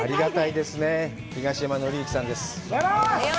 東山紀之さんです。